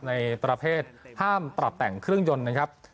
ในประเภทห้ามปรับแต่งเครื่องยนต์นะครับ